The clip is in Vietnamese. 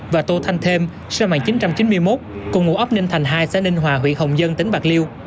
và tô thanh thêm sinh năm một nghìn chín trăm chín mươi một cùng ngụ ấp ninh thành hai xã ninh hòa huyện hồng dân tỉnh bạc liêu